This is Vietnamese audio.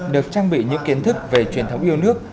được trang bị những kiến thức về truyền thống yêu nước